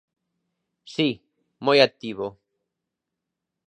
Si, moi activo.